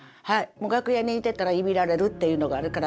もう楽屋にいてたらいびられるっていうのがあるから。